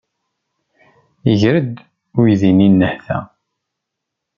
Iger-d uydi-nni nnehta.